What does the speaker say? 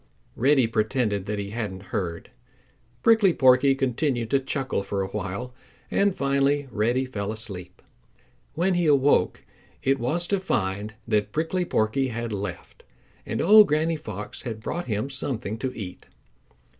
Reddy pretended that he hadn't heard. Prickly Porky continued to chuckle for a while and finally Reddy fell asleep. When he awoke it was to find that Prickly Porky had left and old Granny Fox had brought him something to eat.